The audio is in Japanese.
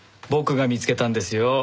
僕が見つけたんですよ